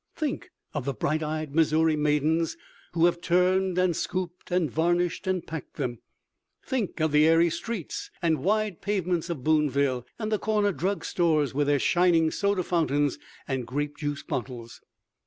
Think of the bright eyed Missouri maidens who have turned and scooped and varnished and packed them. Think of the airy streets and wide pavements of Boonville, and the corner drug stores with their shining soda fountains and grape juice bottles.